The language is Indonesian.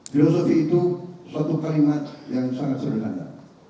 filosofi itu suatu kalimat yang sangat sederhana